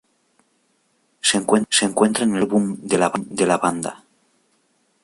Se encuentra en el primer álbum de la banda.